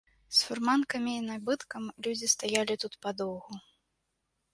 З фурманкамі і набыткам людзі стаялі тут падоўгу.